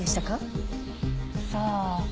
さあ？